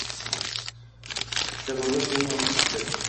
kissavurlar pulni urib ketishibdi.